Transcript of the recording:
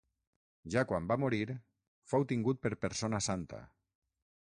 Ja quan va morir fou tingut per persona santa.